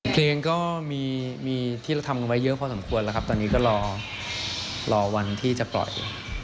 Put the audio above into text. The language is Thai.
เพลงก็มีที่เราทำกันไว้เยอะพอสมควรแล้วครับตอนนี้ก็รอวันที่จะปล่อย